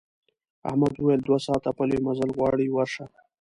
احمد وویل دوه ساعته پلی مزل غواړي ورشه.